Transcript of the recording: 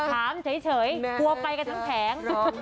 ถามเฉยกลัวไปกันทั้งแผง